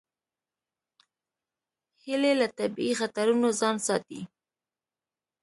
هیلۍ له طبیعي خطرونو ځان ساتي